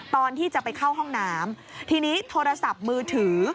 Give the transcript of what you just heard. ตอนที่จะไปเข้าห้องน้ำทีนี้โทรศัพท์มือถือ